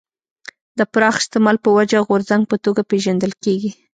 د پراخ استعمال په وجه غورځنګ په توګه پېژندل کېږي.